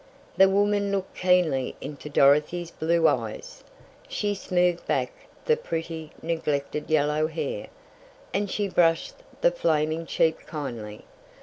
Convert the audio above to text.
The woman looked keenly into Dorothy's blue eyes. She smoothed back the pretty, neglected yellow hair, and she brushed the flaming cheek kindly.